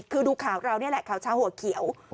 คือดูข่าวเรานี่แหละข่าวเช้าหัวเขียว